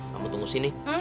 kamu tunggu sini